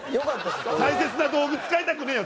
大切な道具使いたくねえよ